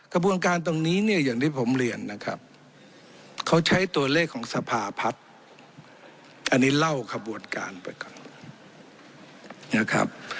กระบวนการตรงนี้เนี่ยอย่างที่ผมเรียนนะครับเขาใช้ตัวเลขของสภาพัฒน์อันนี้เล่าขบวนการไปก่อนนะครับ